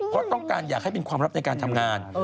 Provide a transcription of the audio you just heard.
เพราะต้องการอยากให้เป็นความลับในการทำงาน